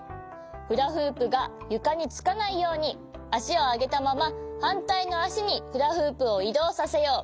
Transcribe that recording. フラフープがゆかにつかないようにあしをあげたままはんたいのあしにフラフープをいどうさせよう。